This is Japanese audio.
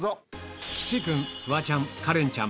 岸君フワちゃんカレンちゃん